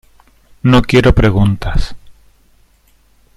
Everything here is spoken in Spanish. no quiero preguntas.